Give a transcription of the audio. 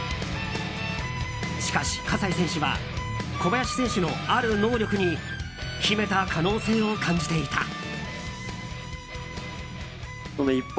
しかし、葛西選手は小林選手のある能力に秘めた可能性を感じていた。